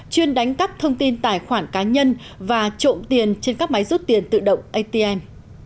chuyên đánh cắp thông tin tài khoản cá nhân và trộm tiền trên các máy rút tiền tự động atm